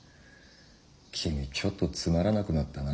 君ちょっとつまらなくなったな。